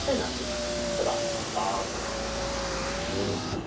例えば「あ」とか「は」とか「ん」ですね。